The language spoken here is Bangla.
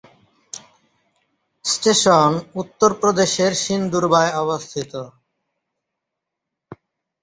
স্টেশন উত্তর প্রদেশের সিন্দুরবায় অবস্থিত।